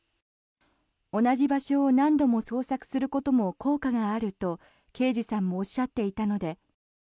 同じ場所を何度も捜索することも効果があると刑事さんもおっしゃっていたので。